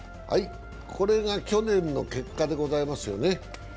これが去年の結果でございますよね。